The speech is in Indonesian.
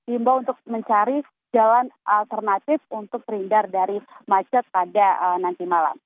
imbau untuk mencari jalan alternatif untuk terhindar dari macet pada nanti malam